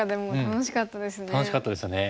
楽しかったですよね。